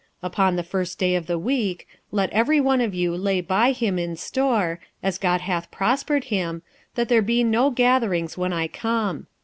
46:016:002 Upon the first day of the week let every one of you lay by him in store, as God hath prospered him, that there be no gatherings when I come.